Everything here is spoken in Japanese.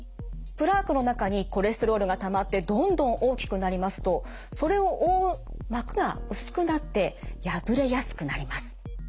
プラークの中にコレステロールがたまってどんどん大きくなりますとそれを覆う膜が薄くなって破れやすくなります。